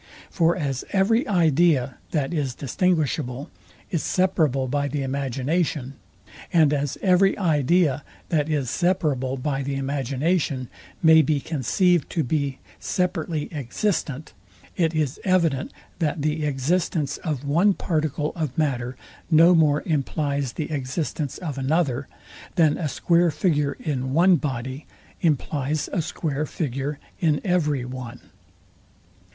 For as every idea, that is distinguishable, is separable by the imagination; and as every idea, that is separable by the imagination, may be conceived to be separately existent; it is evident, that the existence of one particle of matter, no more implies the existence of another, than a square figure in one body implies a square figure in every one.